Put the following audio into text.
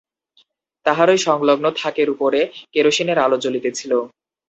তাহারই সংলগ্ন থাকের উপরে কেরোসিনের আলো জ্বলিতেছিল।